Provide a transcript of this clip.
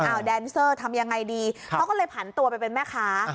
แดนเซอร์ทำยังไงดีเขาก็เลยผันตัวไปเป็นแม่ค้า